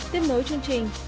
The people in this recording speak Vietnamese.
tiếp nối chương trình